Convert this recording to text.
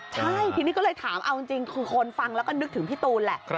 ใช่ทีนี้ก็เลยถามเอาจริงคือคนฟังแล้วก็นึกถึงพี่ตูนแหละ